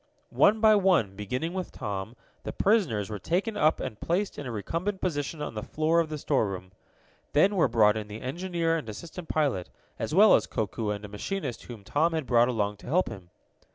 One by one, beginning with Tom, the prisoners were taken up and placed in a recumbent position on the floor of the storeroom. Then were brought in the engineer and assistant pilot, as well as Koku and a machinist whom Tom had brought along to help him.